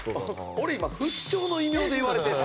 俺今不死鳥の異名で言われてるの？